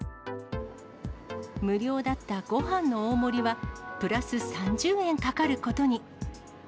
無料だったごはんの大盛りは、プラス３０円かかることに。